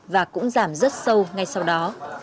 và cũng giảm rất sâu ngay sau đó